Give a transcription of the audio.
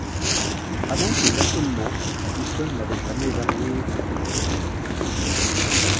Avant ses affolements, la boussole n’avait jamais varié à cet égard.